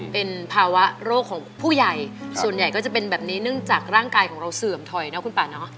เป็นภาวะโรคของผู้ใหญ่ส่วนใหญ่ก็จะเป็นแบบนี้เนื่องจากร่างกายของเราเสื่อมถอยนะคุณป่าเนาะ